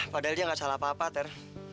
padahal dia nggak salah apa apa ter